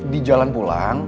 di jalan pulang